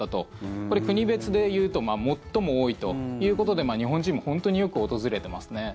これ、国別で言うと最も多いということで日本人も本当によく訪れてますね。